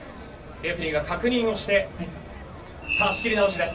レフェリーが確認をして、さあ、仕切り直しです。